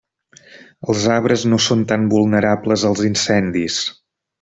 Els arbres no són tan vulnerables als incendis.